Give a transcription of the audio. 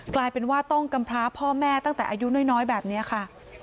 กลายเป็นว่าต้องกำพร้าพ่อแม่ตั้งแต่อายุน้อยแบบนี้ค่ะ